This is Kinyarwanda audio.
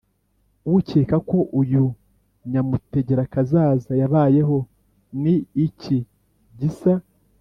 Ukeka ko uyu nyamutegerakazaza yabayeho ni iki gisa